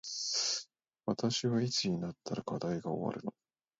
私はいつになったら課題が終わるの